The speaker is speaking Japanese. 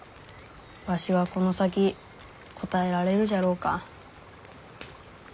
わしはこの先応えられるじゃろうか？